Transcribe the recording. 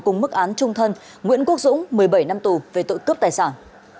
cùng mức án trung thân nguyễn quốc dũng một mươi bảy năm tù về tội cướp tài sản